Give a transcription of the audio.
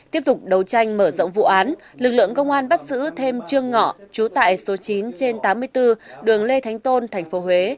tiếp tục đấu tranh mở rộng vụ án lực lượng công an bắt giữ thêm trương ngọ chú tại số chín trên tám mươi bốn đường lê thánh tôn tp huế